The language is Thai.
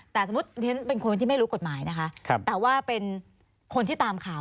แต่สมมุติฉันเป็นคนที่ไม่รู้กฎหมายนะคะแต่ว่าเป็นคนที่ตามข่าว